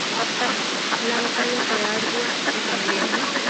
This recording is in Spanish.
La batalla fue ardua y sangrienta.